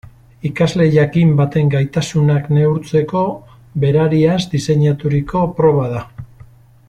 Ikasle jakin baten gaitasunak neurtzeko berariaz diseinaturiko proba da.